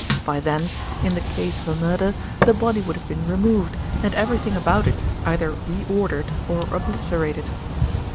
By then, in the case of a murder, the body would have been removed, and everything about it either re ordered or obliterated.